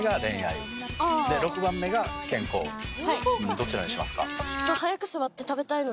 どちらにしますか？